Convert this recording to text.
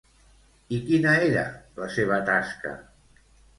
I quina era la seva tasca?